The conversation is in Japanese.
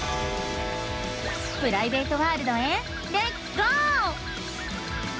プライベートワールドへレッツゴー！